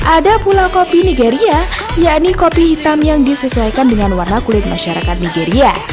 ada pula kopi nigeria yakni kopi hitam yang disesuaikan dengan warna kulit masyarakat nigeria